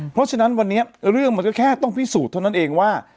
เพราะฉะนั้นวันนี้เรื่องมันก็แค่ต้องพิสูจน์เท่านั้นเองว่า